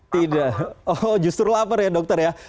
tidak oh justru lapar ya dokter ya